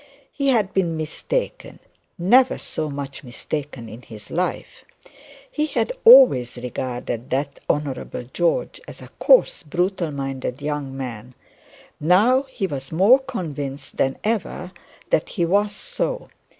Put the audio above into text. He had been mistaken; never so much mistaken in his life. He had always regarded that Honourable George as a coarse brutal minded young man; now he was more convinced than ever that he was so.